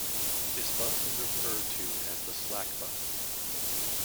This bus is referred to as the slack bus.